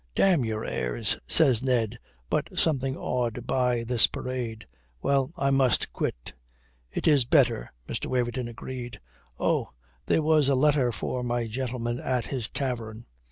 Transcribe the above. "Damn your airs," says Ned, but something awed by this parade. "Well, I must quit." "It is better," Mr. Waverton agreed. "Oh! There was a letter for my gentleman at his tavern.